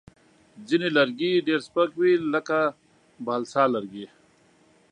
ځینې لرګي ډېر سپک وي، لکه بالسا لرګی.